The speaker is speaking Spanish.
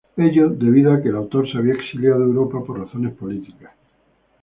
Ello debido a que el autor se había exiliado a Europa, por razones políticas.